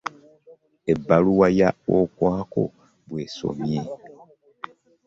Ebbaluwa ya Okwakol bw'esomye.